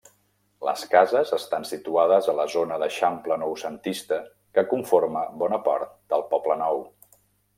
Les cases estan situades a la zona d'eixample noucentista que conforma bona part del Poblenou.